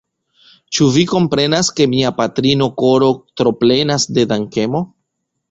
Ĉu vi komprenas ke mia patrino koro troplenas de dankemo?